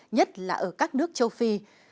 nhất là ở các nước châu phi